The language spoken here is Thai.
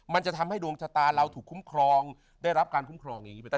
มันจะทำให้ดวงชะตาเราถูกคุ้มครองได้รับการคุ้มครองอย่างนี้ไปตั้ง